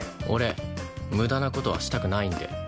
俺無駄な事はしたくないんで。